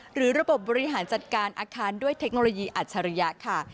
หรือระบบบบริหารจัดการอาคารด้วยเทคโนโลยีอัจฉริยะค่ะ